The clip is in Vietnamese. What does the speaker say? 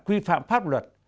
quy phạm pháp luật